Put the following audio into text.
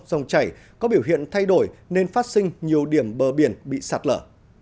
dòng chảy có biểu hiện thay đổi nên phát sinh nhiều điểm bờ biển bị sạt lở